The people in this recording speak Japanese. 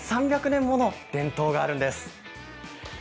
１３００年もの伝統があるんです。